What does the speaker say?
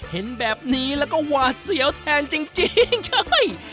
เห็นแบบนี้แล้วก็หวาดเสียวแทนจริงใช่